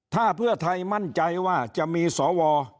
ถ้าเพื่อไทยมั่นใจว่าจะมีสว